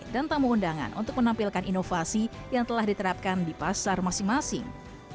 dan tamu undangan untuk menampilkan inovasi yang telah diterapkan di pasar masing masing